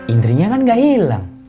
indrinya kan gak hilang